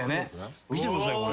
見てくださいこれ。